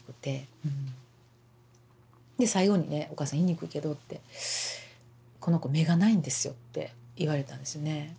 最後にね「お母さん言いにくいけど」って「この子目がないんですよ」って言われたんですよね。